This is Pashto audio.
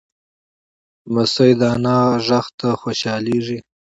لمسی د نیا غېږ ته خوشحالېږي.